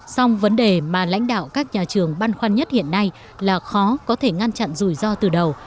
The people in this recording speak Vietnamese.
xong vấn đề mà lãnh đạo các nhà trường băn khoăn nhất hiện nay là khó có thể ngăn chặn rủi ro từ đầu